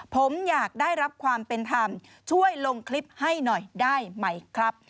ผมอยากได้รับความเป็นธรรมช่วยลงคลิปให้หน่อยได้ไหมครับ